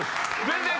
全然。